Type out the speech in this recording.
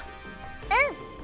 うん！